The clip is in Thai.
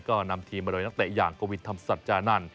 ก็นำทีมอร่อยนักเตะอย่างกวินธรรมศาสตร์จากนั้น